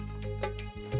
mas rangga mau bantu